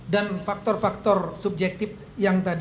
dan faktor faktor subjektif yang tadi